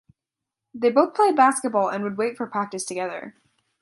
They both played basketball and would wait for practice together.